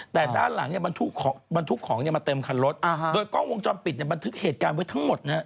แต่ด้านหลังมันทุกของมาเต็มคันรถโดยกล้องวงจอปิดมันทึกเหตุการณ์ไว้ทั้งหมด